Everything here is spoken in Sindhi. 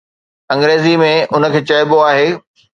انگريزيءَ ۾ ان کي چئبو آهي